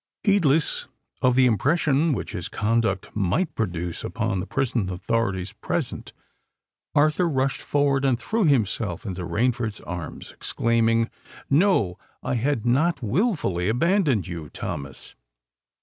Heedless of the impression which his conduct might produce upon the prison authorities present, Arthur rushed forward and threw himself into Rainford's arms, exclaiming, "No—I had not willfully abandoned you, Thomas!"